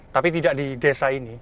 tapi tidak di desa ini